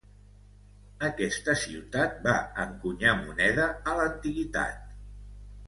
Aquesta ciutat va encunyar moneda a l'antiguitat.